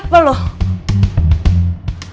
aku pikir ada apa loh